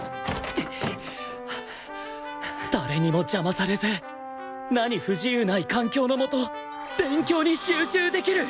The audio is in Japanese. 誰にも邪魔されず何不自由ない環境の下勉強に集中できる！